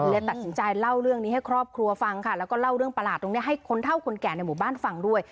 ตัดสินใจเล่าเรื่องนี้ให้ครอบครัวฟังค่ะแล้วก็เล่าเรื่องประหลาดตรงนี้ให้คนเท่าคนแก่ในหมู่บ้านฟังด้วย